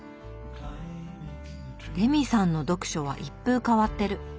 レミさんの読書は一風変わってる。